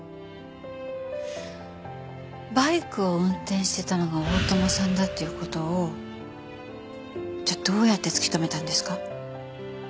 バイクを運転してたのが大友さんだっていう事をじゃあどうやって突き止めたんですか？